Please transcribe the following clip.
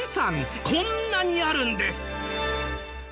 こんなにあるんです。